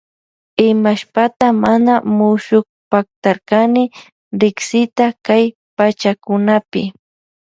Imashpata mana mushukpaktarkani riksita kay pachakunapi.